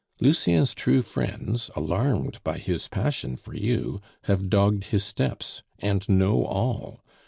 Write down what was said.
Lucien's true friends, alarmed by his passion for you, have dogged his steps and know all.